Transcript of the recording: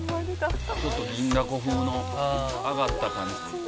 「ちょっと銀だこ風の揚がった感じ」